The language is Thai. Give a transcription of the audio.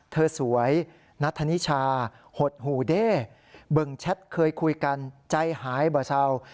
สวยนัทธนิชาหดหูเด้เบิ่งแชทเคยคุยกันใจหายบ่เศร้า